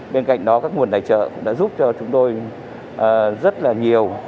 bên cạnh đó các nguồn tài trợ cũng đã giúp cho chúng tôi rất là nhiều